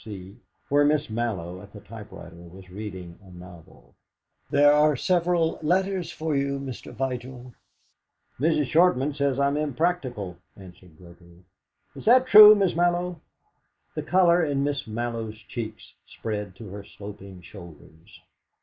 W. C., where Miss Mallow, at the typewriter, was reading a novel. "There are several letters for you, Mr. Vigil" "Mrs. Shortman says I am unpractical," answered Gregory. "Is that true, Miss Mallow?" The colour in Miss Mallow's cheeks spread to her sloping shoulders.